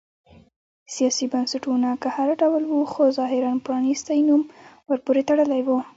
سیاسي بنسټونه که هر ډول و خو ظاهراً پرانیستی نوم ورپورې تړلی و.